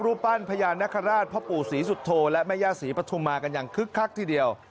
รูปปล้านพระยานนะคราชพ่อผมปู่ศรีสุทโฑและมิญญาณสีปฐมากันอย่างคึกคักที่เดียว